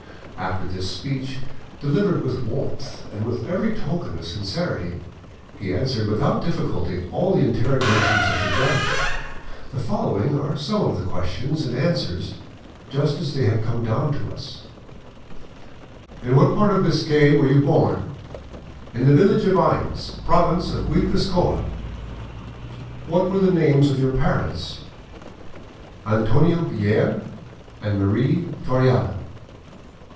After this speech, delivered with warmth, and with every token of sincerity, he answered without difficulty all the interrogations of the judge. The following are some of the questions and answers, just as they have come down to us:— "In what part of Biscay were you born?" "In the village of Aymes, province of Guipuscoa." "What were the names of your parents?" "Antonio Guerre and Marie Toreada."